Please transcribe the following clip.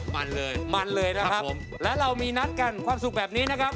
มันเลยมันเลยนะครับผมและเรามีนัดกันความสุขแบบนี้นะครับ